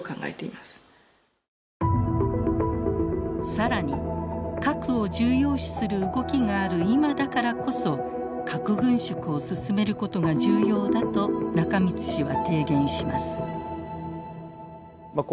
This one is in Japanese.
更に核を重要視する動きがある今だからこそ核軍縮を進めることが重要だと中満氏は提言します。